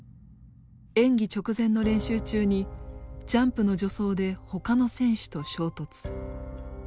演技直前の練習中にジャンプの助走でほかの選手と衝突。